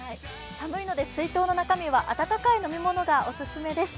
寒いので水筒の中身は温かい飲み物がオススメです。